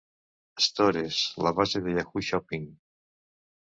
Stores, la base de Yahoo Shopping.